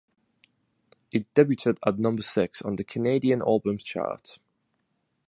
It debuted at number six on the Canadian Albums Chart.